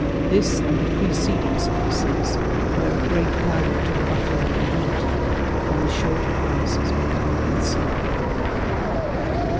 This and the preceding species were of great value to the buffalo in winter, when the shorter grasses were covered with snow.